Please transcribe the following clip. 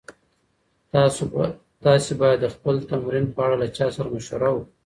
تاسي باید د خپل تمرین په اړه له چا سره مشوره وکړئ.